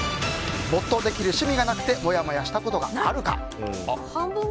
没頭できる趣味がなくてモヤモヤしたことがあるか。